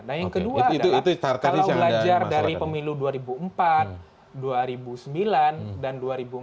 nah yang kedua kalau belajar dari pemilu dua ribu empat dua ribu sembilan dan dua ribu empat belas